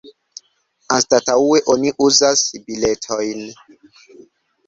Anstataŭe oni uzas biletojn.